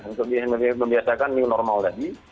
harus bisa membiasakan nih untuk membiasakan new normal tadi